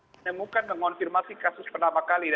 menemukan mengonfirmasi kasus pertama kali